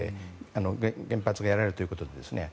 原発がやられるということですね。